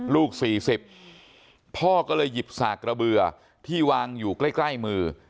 ลูก๔๐พ่อก็เลยหยิบสากระเบือที่วางอยู่ใกล้มือ